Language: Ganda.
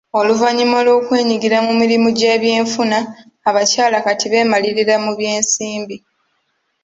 Oluvannyuma lw'okwenyigira mu mirimu gy'ebyenfuna, abakyala kati beemalirira mu byensimbi.